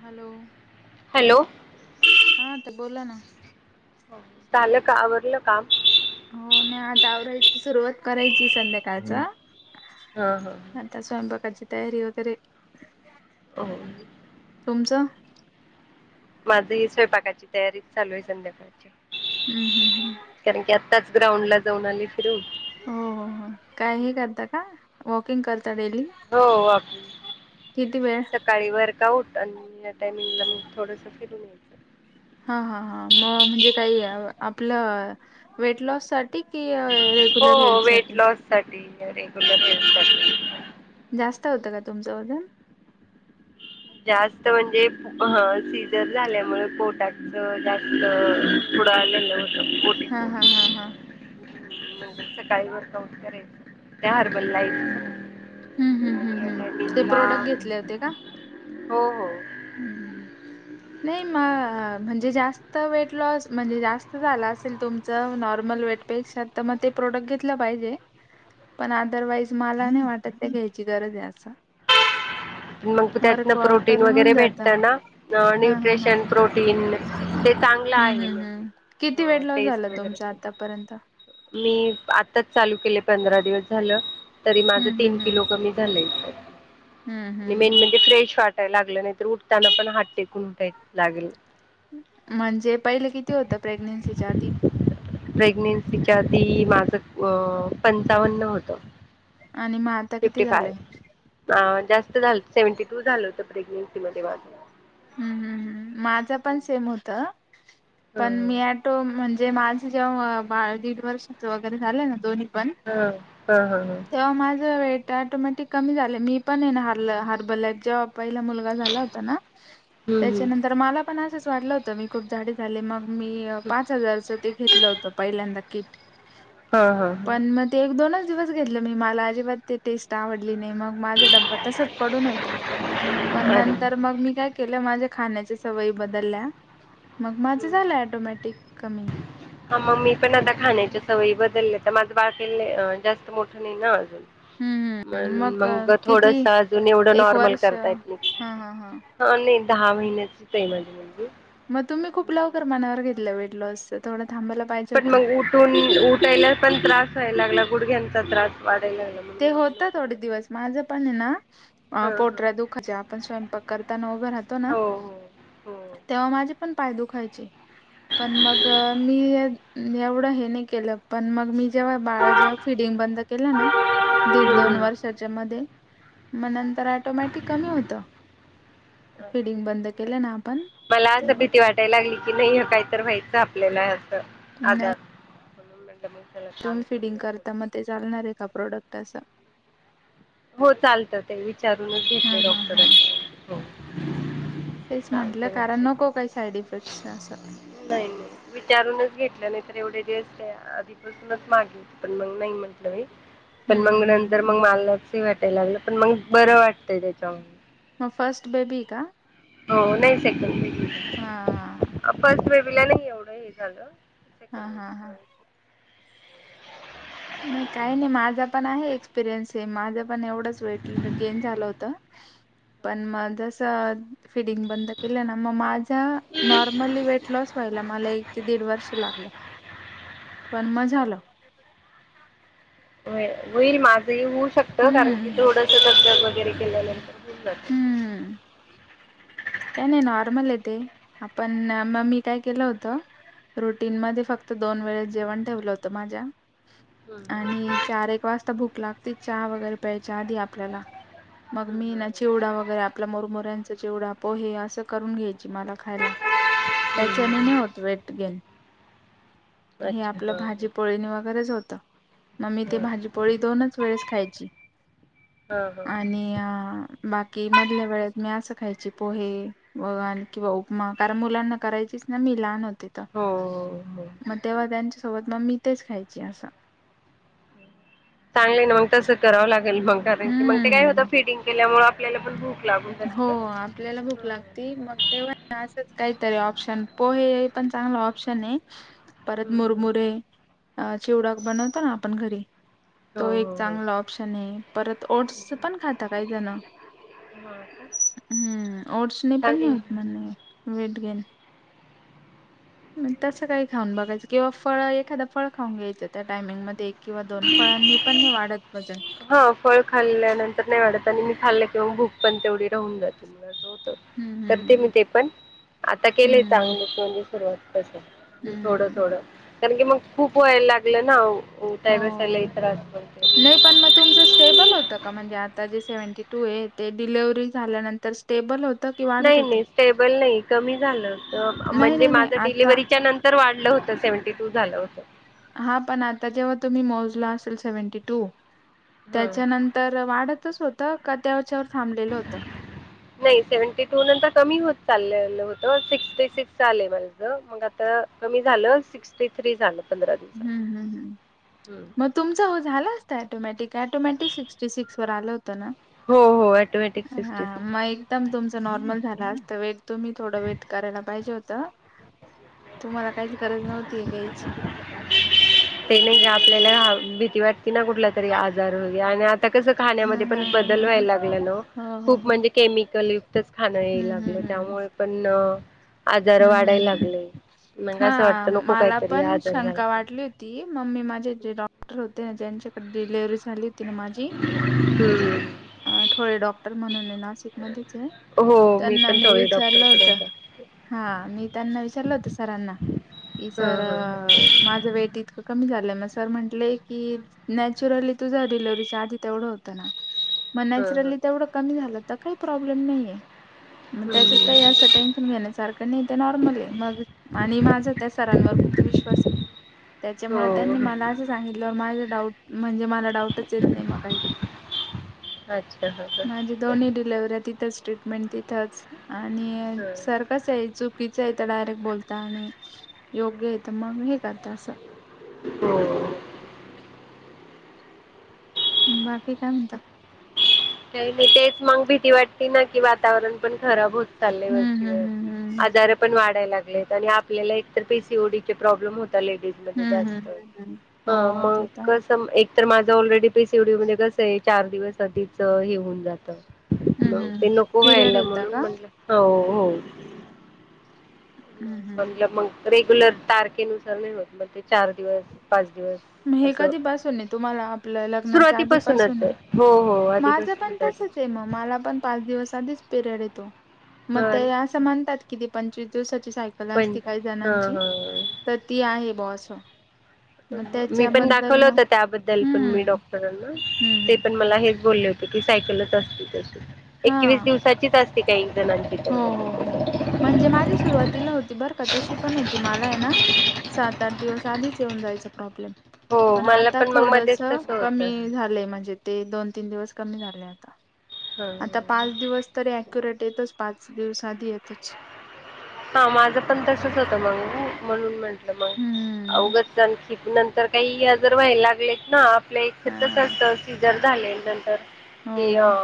Hello hello हा तर बोला ना. झालं का आवरलं काम. हो नाही आता आवरायची सुरुवात करायची संध्याकाळच. हा हा. आता स्वयंपाकाची तयारी वगैरे. हो समच माझ ही स्वयंपाकाची तयारी चालू आहे संध्याकाळची हम्म हम्म हम्म त्याच ग्राउंड ला जाऊन आली फिरून हो हो हो कायही करता का वॉकिंग कर हो आप किती वेळ सकाळी वर काउठ आणि या टायमिंगला मग थोडस फिरून यायचं हा हा हा म म्हणजे काही आपलं वेट लॉस साठी कि रेग्युलर हेल्थ साठी रे गु जास्त होतं का तुमचं वजन जास्त म्हणजे सीझन झाल्यामुळे पोटाच जास्त पुढे आलेले हा हा हा हा नंतर सकाळी वर्कआउट त्या हरबल लाइफ हम्म हम्म हम् हम् ते प्रोडक्ट घेतले होते का हो हो हम्म नाही म म्हणजे जास्त वेट लॉस म्हणजे जास्त झाला असेल तुमचं नॉर्मल वेट पेक्षा, ते प्रॉडक्ट घेतला पाहिजे पण अदरवाईज मला नाही वाटत. फक्त घ्यायची गरज आहे आता. मग त्यातन प्रोटीन वगैरे जात हा भेटतं ना हा हा न्यूट्रिशन, प्रोटीन. चांगला हम्म आहे हम्म हम्म किती वेट म्हणजे लॉस झाला टेस्ट वगैरे तुमचा आतापर्यंत मी आताच चालू केले. पंधरा दिवस झालं तरी माझं हम्म तीन हम्म हम्म किलो कमी झालंय. हम्म आणि हम्म मेन म्हणजे फ्रेश वाटायला लागलं नाही तर उठताना पण हात टेकून उठायला लागेल म्हणजे पहिले किती होतं प्रेग्नेन्सीच्या आधी. प्रेग्नेन्सीच्या आधी माझ अ पंचावन होत, आणि मग आता किती फिफ्टी फाय झालंय जास्त झाल सेव्हनटी टू झालं होत प्रेग्नेन्सी मध्ये माझं. हम, हम माझं पण सेम होतं ह मी ऑटो म्हणजे जे मागचं बाळ दीड वर्षाचा वगैरे झालं ना दोन्ही पण ह तेव्हा माझ वेट आटोमॅटिक कमी झाले मी पण येणार हर्बल जॉब. पहिला मुलगा झाला होता ना हम्म त्याच्यानंतर मला पण असंच वाटलं होतं मी खूप जाडी झाली मग मी पाच हजारचं ते घेतलं होतं पहिल्यांदा किट. हा हा हा पण मग ते एक दोनच दिवस घेतलं मी मला अजिबात ते टेस्ट आवडली. घेतली नाही मग माझा डबा तसाच पडून होता पण अरे नंतर मग मी काय केलं माझ्या खाण्याच्या सवयी बदलल्या. मग माझं झालं ऑटोमॅटिक कमी ह मग मी पण आता खाण्याच सवय बदलले तर माझं बाळ लई जास्त मोठ नाही ना. हम्म हम्म. म्हणून मग किती थोडस अजून एवढं एक नॉर्मल वर्ष हा करतायेत हा हा ह नाही. दहा महिन्याची माझी मुलगी. [inaudible] मग तुम्ही खूप लवकर मनावर घेतलं वेटलोस थोडं थांबायला पाहिजे पण होतं. मग उठून उठायला पण त्रास व्हायला लागला गुडघ्यांचा त्रास वाच ते होत थोडे दिवस माझ्यापण ना हा हा पोटऱ्या दुखत्या आपण स्वयंपाक. करताना उभं राहतो ना हो हो हो तेव्हा माझे पण पाय दुखायचे. पण मग मी एवढं हे नाही केलं पण मग मी जेव्हा बाळ जेव्हा फिडिंग बंद केलं ना, दीड दोन हम्म वर्षाच्या मध्ये मग नंतर ऑटोमॅटिक कमी होत. फिडिंग बंद केले ना आपण तेव्हा, कि नाही काही तर व्हायचं आपल्याला असं नाही आजार म्हणून म्हटलं मग त्याला चालू तुम्ही फिडिंग करूया करता मग ते थोडस चालणार एका प्रॉडक्ट असं. हो चालत ते विचारूनच हा घेतले हा हा डॉक्टरांशी हो. तेच म्हंटलं चालतय कारण म्हणजे नको काही साईड इफेक्ट्स असं नाही नाही विचारूनच घेतला त्यानी, तर, एवढे टेस्ट आधीपासूनच मागे हो पण मग नाही म्हटलं. पण हम्म मग हम्म नंतर मग हम्म मलालाचही वाटायला लागलं पण मग बरं वाटतय त्याच्यामुळे. मग फर्स्ट बेबी का? हो नाही सेकंड. हां तिला नाही एवढे हे झालं हा सेकंड हा बेबी हा च्या वेळेस. पिरियन्स हे माझं पण एवढंच वेट गेन झालं होत. पण मग तस फिडिंग बंद केलं ना मग माझं नॉर्मली वेट लॉस व्हायला मला एक ते दीड वर्ष लागलं. पण मग झालं. हो होईल माझंही होऊ शकतं कारण की थोडस दब दब वगैरे केलेले हु काही नाही नॉर्मल ते पण मग मी काय केलं होतं. रुटीन मध्ये फक्त दोन वेळेस जेवण ठेवलं होतं माझ्या आणि, चार एक वाजता भुकऽऽ लागते, चहा वगैरे प्यायच्या आधी आपल्याला,, मग मी ना चिवडा वगैरे आपला मुरमुरऽऽ चिवडा, पोहे, अस करून घ्यायची मला खायला. त्याच्यानी नै होत वेट गेन. हे अच्छा आपलं हा भाजी पोळीनी वगैरेच होतं,, मग मी ते हा भाजीपोळी दोनच वेळेसऽऽ खायची,, हा हा आणि अंऽऽ बाकी, मधल्या वेळेत मी असं खायची पोहे व आणि किंवा उपमा,, कारण मुलांना करायऽऽ चीस ना,, मी लहान होते हो हो मग तेव्हा, त्यांच्या सोबतऽऽ मग मी तेच खायची असंऽऽ चांगले ना मग तसं करावं लागेल,, मग,, कारण की मग ते काय होतं हम्म फिडिंग केल्यामुळं आपल्याला पण भूकऽऽ हो ऽऽआपल्याला भूक लागती मग तेव्हाऽऽ असच काहीतरी ऑप्शन पोहे पण चांगलं ऑप्शन आय,, परत हम्म मुरमुरेऽऽ अ चिवडाक बनवताो ना आपण घरी. हो तो एक हो हो चांगला ऑप्शन आहे,, परत ओट्स पण खाता कायी जणंऽऽ हा का हम्म,, ओट्स नाही पण नाही होत चालेल. म्हनं,,, वेट गेन.. मग तसं काही खाऊन बघायचं किंवा फळं,,, एखाद फळ खाऊन घ्यायचं त्या टायमिंगमध्येध्ये एक किंवा दोन फळंऽऽ नी, पण नै वाढत. वजन हो, फळ खाल्ल्यानंतर नाही वाढत आणि मी खाल्ले किंवा भूक पण तेवढी राहून जाते. तर हम्म करते हम्म मी ते पण,, आता केलेय हम्म चांगलीच म्हणजे, सुरुवातऽ स, थोडं, हम्म थोडं कारण की मग खूप व्हायला लागलं नाऽऽ हो, नाही पण मग तुमचंऽऽ स्टेबल होतं का म्हणजे,, आता जे सेव्हंटी टू आहे ते डिलेवररी झाल्यानंतर स्टेबल होतऽऽ नाही नाही,, स्टेबल नाही, कमी झालं,, नाही म्हणजे नाही नाही माझं आता डिलिव्हरीच्या नंतर वाढलं होतऽऽ सेव्हंटी टू झालं होत. हा पण आता जेव्हा तुम्ही मोजला असेल सेव्हन्टी टूऽऽ हां. त्याच्यानंतर वाढतच होत का? त्याच्यावरऽऽ नाही सेव्हनटी टू नंतर कमी होतऽऽ चाललेल होत,, सिक्सटी सिक्स झालय माझ,, मग आता कमी झालं, सिक्सटी थ्री झालंऽऽ हहह, मग तुमच झाला असत अॅटोमॅटिक,, अॅटोमॅटिक सिक्टी सिक्सऽऽ हा, हो हो ऑटोमॅटिक सिक्स्टी सिक्स मग एकदम तुमऽऽ नॉर्मल झाला असतं वेट,, तुम्ही थोड वेट करायला पाहिजे होतऽऽ तुम्हाला काहीच गरज नव्हती हे घ्यायची. ते नाही ग आपल्याला भीती वाटते ना कुठला तरी आजार होईल,, आणिऽऽ आता कसं हा खाण्यामध्ये हा पण हा बदल हा व्हायला हा. लागलाय नाद ओ,, न हो हो खूप हो. म्हणजे केमिकलऽऽ च खाणं येय हम्म लागलं,, हम्म हम्म. त्यामुळे पणऽऽ हम्म, हम्, हम्, मग असं हां, वाटतं नको मला काहीतरी पणऽ आजार झाला शंका वाढली होती,, मग मी माझे जे डॉक्टर होते ना ज्यांच्याकडे डिलेव्हरी झाली ऽऽ ती ना माझी,, तर अ थोळे डॉक्टर म्हणून य नाशिक मध्येऽऽ हम्म हो त्यांना पण मी थोडी विचारलं होत. डॉक्टरकडे जा हां, मी त्यांना विचारलं होत सरांना,, की हा सर हा ह माझं वेट इतकं कमीऽऽ सर म्हंटले,, की नॅचरली तुझं डिलिव्हरी च्या आधी तेवढ होत नाऽऽ मग हा हा नॅचरली तेवढं कमी झालं तर काही प्रॉब्लेम नाहीय.. मग त्याच्यात काही हम्म असं टेन्शन घेण्यासारखंऽऽ आणि ते नॉर्मल आय,,, मग आणि माझा त्या सरांवर खूप विश्वास आय.. हो त्याच्यामुळे त्यांनी हो मला असं सांगितल्यावर माझ डाऊट म्हणजे,,, मला डाऊटच येत नाही मग काही.. [inaudible] हा माझे दोनही डिलेवरी तिथऽऽ मे तिथच,, आणी ह सर कसयऽऽ य डायरेक्ट बोलता आणि,, योग्य ये त मग हे करता असंऽऽ हो. बाकी काय म्हनता का नाही तेच मग भीती वाटते ना की वातावरण पण खराब होत चाललय हम्म वरचेवर हम्म हम्म आजार पण वाढाय लागलेत आणि आपल्याला एकतर पीसीओडी चे प्रॉब्लेम होतच आता लेडिज मध्ये हम्म हम्म जास्त हम्म हम्म हम्म. हो ते तर आहे तर माझं ऑलरेडी पीसीओडी मध्ये कसं आहे चार दिवस आधीच हे होऊन जात हम्म मग हम्म ते नको पिरियड व्हायला येता म्हणून का म्हटलं हो हो हम्म हम्म म्हटलं मग रेग्युलर तारखेनुसार नाही होत मग ते चार दिवस पाच दिवस मग हे अस कधीपासून आहे तुम्हाला सुरुवातीपासूनच आहे हो माझ पण आधीपासूनच तसंच आहे मग मला पण पाच दिवस आधीच पिरीयड येतो मग ते हा असं म्हणतात किती पंचवीस दिवसाचे सायकल पण असती काही हा जणांची हा तर ती आहे अस मी पण दाखवलं होत त्याबद्दल पण मी हम्म डॉक्टरांना हम्म ते हम्म पण मला हेच बोलले होते की सायकलच असती हा एकवीस दिवसाचीच असते काहींची हो हो हो [inaudible] म्हणजे माझी सुरुवातीला होती बर का तशी पण होती मला आहे ना सात आठ दिवस आधी येऊन जायचा प्रॉब्लेम हो पण मला आता मग थोडस मध्येच तसं होतं कमी झालंय म्हणजे ते दोन दोन तीन दिवस कमी झालय आता आता हा पाच दिवस तरी अॅक्युरेट येतच पाच दिवस आधी येतोच हा माझं पण तसच होत मग म्हणून म्हंटलं मग हम्म उघच [unintelligible] तर काही जर व्हायला लागलेत ना आपलं एकतर कसं हा असतं सीझर झाले नंतर कि हो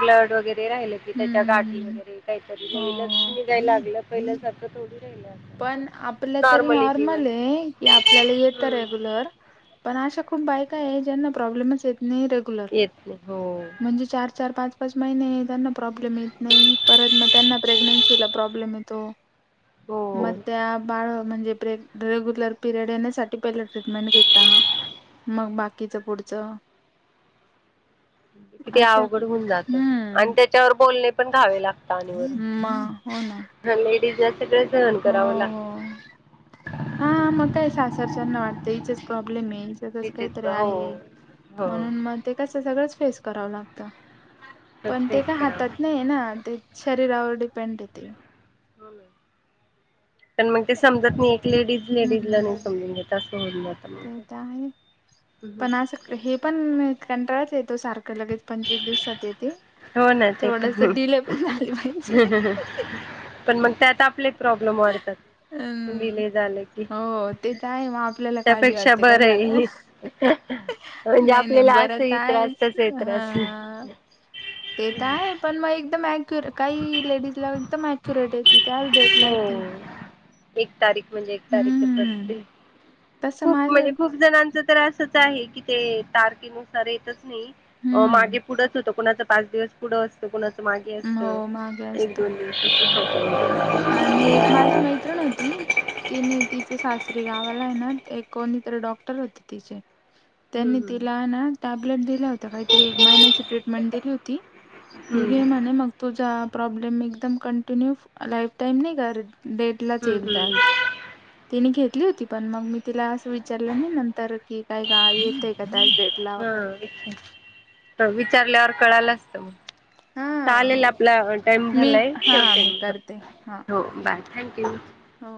ब्लड वगैरे राहिलेत की त्याच्या गाठी हम्म वगैरे काहीतरी नवीनच निघाय लागलं हो पहिल्यासारखं थोडीच पण आपलं तरी जीवन नॉर्मल आहे की आपल्याला येतं हम्म रेग्युलर पण अशा खूप बायका काय आहे ज्यांना प्रॉब्लेमच येत नाही नाही रेगुलर येत नाही हो म्हणजे चार चार पाच पाच महिने त्यांना प्राॅब्लेम येत नाही परत मग त्यांना प्रेग्नेन्सीला प्रॉब्लेम येतो हो मग त्या बाळ म्हणजे प्रे रेग्युलर पिरियड येण्यासाठी पहिला ट्रीटमेंट घेता मग बाकीच पुढचं [unintelligible] किती अशा अवघड होऊन जात आणि हम्म त्याच्यावर बोलणे पण खावे लागत आणि वर म हो ना हा लेडीजला सगळ सहन हो करावं हो लागत. हा मग काय सासरच्याना वाटतं हिजच प्रॉब्लेम आहे. हिज्यातच तिचेच काहीतरी हो आहे हो म्हणून मग ते कस सगळंच फेस करावं लागत. तोच पण ते फेस का करावा. हातात नाही ना ते शरीरावर डिपेंड येत. त्यांना मग ते समजत नाही एक लेडीज लेडीज ला नाही हम्म. समजून घेत असं होऊन जातं. ते तर मग. आहे पण असं हे पण कंटाळच येतो सारखा लगेच पंचवीस दिवसात येते. हो ना ते पण थोडस डिले पण झाली पाहिजे. हहहह मग ते आता आपले प्रॉब्लेम वाढतात. हम्म डिले झालं की हो ते तर आहे मग आपल्याला काळजी त्यापेक्षा वाटते काय बरं झालं. आहे. म्हणजे नाही नाही आपल्याला बरंच असंही त्रास आहेच. तसही त्रास. अ ते तर आहे पण मग एकदम. अॅक्युरेट काही लेडीज ला एकदम अक्युरेट येते. त्याच डेटला हो येते. एक तारीख म्हणजे एक तारीखच हम्म असतील. तसं खूप माझे म्हणजे खूप जणांच तर असंच आहे की ते तारखेनुसार येतच. मागे हम्म पुढंच होतं कोणाच पाच दिवस पुढं असतं कोणाचं मागे असत. हो मागे एक असत दोन दिवसांतच होते. आणि एक माझी मैत्रिण होती. तिने तिचे सासरी गावाला आहे ना एक कोणीतरी डॉक्टर होते तिचे त्यांनी हम्म तिला ना टॅबलेट दिल्या होता काहीतरी एक महिन्याची ट्रीटमेंट दिली होती. हे हम्म हम्म घे म्हणे मग तुझा प्रॉब्लेम एकदम कंटिन्यू लाईफ टाईम नाही कर. डेट लाच हम्म येईल हम्म त्यास तिने घेतली होती पण मग मी तिला असं विचारलं नाही नंतर कि काय येतय का त्या डेट ला वगैरे त विचार कळाला असतं मग हा चालेल आपला टाइम मी झालाय हा मी शेवटे करते हा हो बाय. थँक्यू. हो.